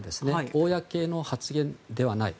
公の発言ではない。